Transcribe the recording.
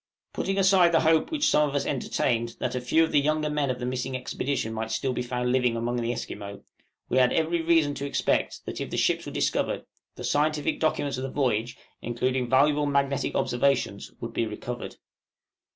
Putting aside the hope which some of us entertained, that a few of the younger men of the missing expedition might still be found to be living among the Esquimaux, we had every reason to expect, that if the ships were discovered, the scientific documents of the voyage, including valuable magnetic observations, would be recovered.